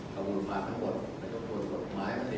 แล้วก็มีรายละเอียดทั้งหมด